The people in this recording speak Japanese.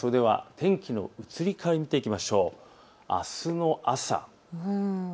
天気の移り変わりを見ていきましょう。